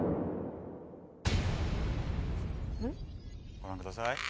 ご覧ください。